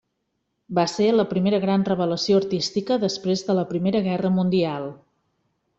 Va ser la primera gran revelació artística després de la Primera Guerra mundial.